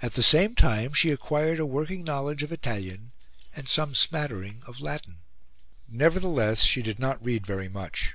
At the same time, she acquired a working knowledge of Italian and some smattering of Latin. Nevertheless, she did not read very much.